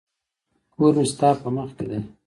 کور مي ستا په مخ کي دی.